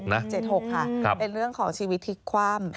๗๖นะครับ๗๖ค่ะเป็นเรื่องของชีวิตทิกความ